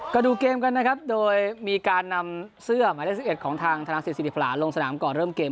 ก็ดูเกมกันนะครับโดยมีการนำเสื้อหมายเลข๑๑ของทางธนาศิษศิริพลาลงสนามก่อนเริ่มเกม